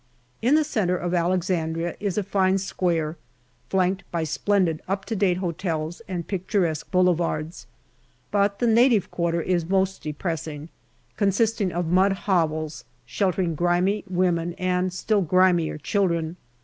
In the centre of Alexandria is a fine square flanked by splendid up to date hotels and picturesque boulevards ; but the native quarter is most depressing, consisting of mud hovels sheltering grimy women and still grimier children.